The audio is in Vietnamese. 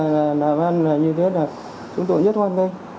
làm như thế là chúng tôi nhất hoan